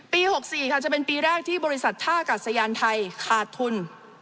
๖๔ค่ะจะเป็นปีแรกที่บริษัทท่ากัดสยานไทยขาดทุน